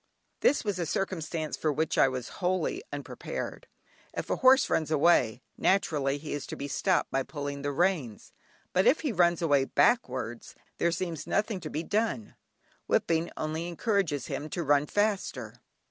This was a circumstance for which I was wholly unprepared. If a horse runs away, naturally, he is to be stopped by pulling the reins, but if he runs away backwards, there seems nothing to be done; whipping only encourages him to run faster.